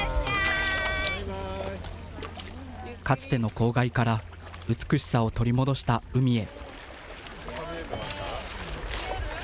かつての公害から、美しさを取り戻した海へ。